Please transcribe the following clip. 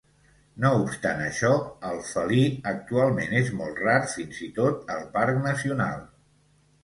No obstant això, el felí actualment és molt rar fins i tot al parc nacional.